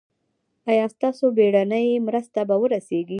ایا ستاسو بیړنۍ مرسته به ورسیږي؟